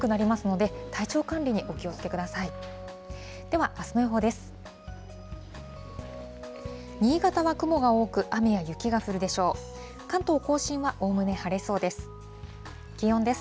ではあすの予報です。